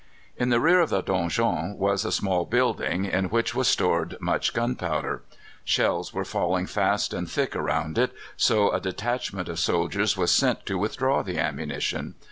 In the rear of the donjon was a small building, in which was stored much gunpowder. Shells were falling fast and thick around it, so a detachment of soldiers was sent to withdraw the ammunition.